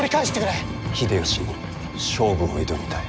秀吉に勝負を挑みたい。